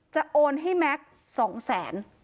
โอนให้แม็กซ์๒แสน